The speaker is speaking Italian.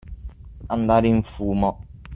Andare in fumo.